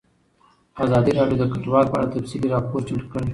ازادي راډیو د کډوال په اړه تفصیلي راپور چمتو کړی.